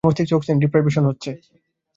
আমার মস্তিষ্কে oxygen deprivation হচ্ছে।